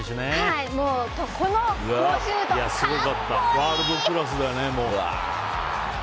ワールドクラスだよね。